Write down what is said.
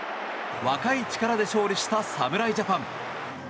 若い力で勝利した侍ジャパン。